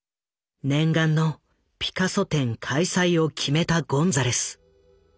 念願のピカソ展開催を決めたゴンザレス。